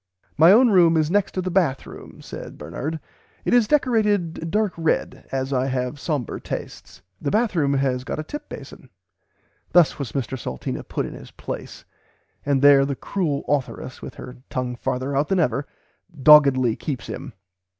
"My own room is next the bathroom said Bernard it is decerated dark red as I have somber tastes. The bathroom has got a tip up basin." Thus was Mr Salteena put in his place, and there the cruel authoress (with her tongue farther out than ever) doggedly keeps him.